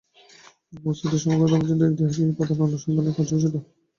বস্তুত সমগ্র ধর্মচিন্তার ইতিহাস এই উপাদানের অনুসন্ধানেই পর্যবসিত।